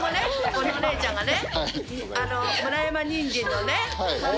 このお姉ちゃんがね。